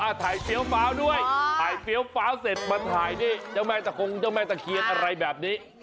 ถ่ายเฟี้ยวฟ้าวด้วยถ่ายเฟี้ยวฟ้าเสร็จมาถ่ายนี่เจ้าแม่ตะคงเจ้าแม่ตะเคียนอะไรแบบนี้